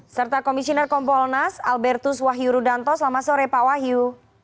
serta komisioner kompolnas albertus wahyu rudanto selamat sore pak wahyu